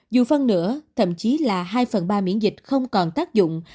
dù phân nữa thậm chí là hai phần ba miễn dịch không còn tác dụng